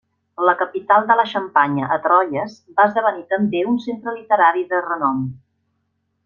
La capital de la Xampanya a Troyes va esdevenir també un centre literari de renom.